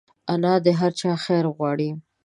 انا د هر چا خیر غواړي